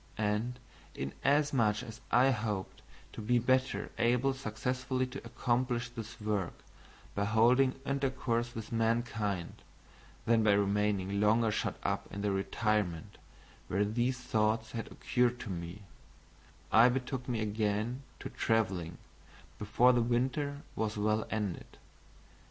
And, inasmuch as I hoped to be better able successfully to accomplish this work by holding intercourse with mankind, than by remaining longer shut up in the retirement where these thoughts had occurred to me, I betook me again to traveling before the winter was well ended.